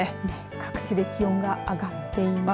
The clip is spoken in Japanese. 各地で気温が上がっています。